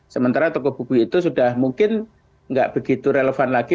sementara toko buku itu sudah mungkin tidak begitu relevan lagi